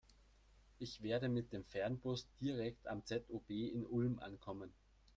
Ich werde mit dem Fernbus direkt am ZOB in Ulm ankommen.